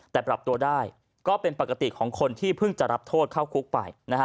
แต่ปรับตัวได้ก็เป็นปกติของคนที่เพิ่งจะรับโทษเข้าคุกไป